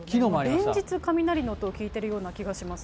連日、雷の音を聞いているような気がします。